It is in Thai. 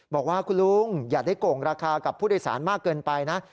บอกว่าคุณลุงอย่าได้โก่งราคากับผู้โดยสารมากเกินไปนะ